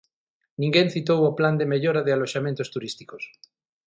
Ninguén citou o Plan de mellora de aloxamentos turísticos.